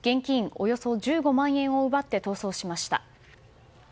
およそ１５万円を奪って逃走しました。